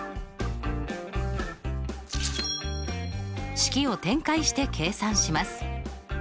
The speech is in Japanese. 式を展開して計算します。